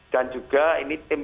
dan juga ini tim